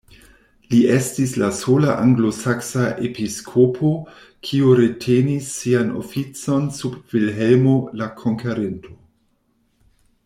Li estis la sola anglosaksa episkopo kiu retenis sian oficon sub Vilhelmo la Konkerinto.